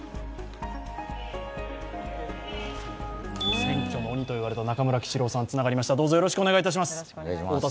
選挙の鬼といわれた中村喜四郎さん、つながりました。